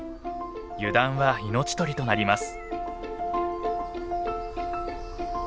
油断は命取りとなります。